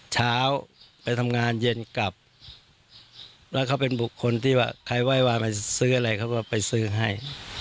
เช้าไปทำงานเย็นกลับแล้วเขาเป็นบุคคลที่ว่าใครไหว้วานไปซื้ออะไรเขาก็ไปซื้อให้